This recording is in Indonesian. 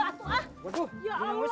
aduh ya allah